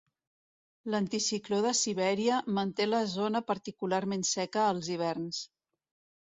L'anticicló de Sibèria manté la zona particularment seca als hiverns.